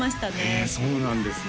へえそうなんですね